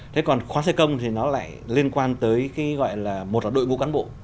thế còn khoán xe công thì nó lại liên quan tới cái gọi là một đội ngũ cán bộ